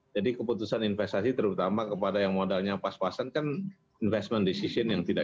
jadi keputusan investasi terutama kepada yang modalnya pas pasan kan investment decision yang tidak